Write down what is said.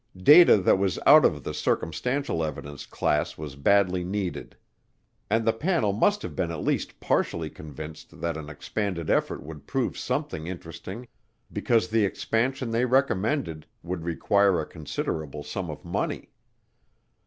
Data that was out of the circumstantial evidence class was badly needed. And the panel must have been at least partially convinced that an expanded effort would prove something interesting because the expansion they recommended would require a considerable sum of money.